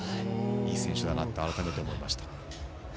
いい選手だと改めて思いました。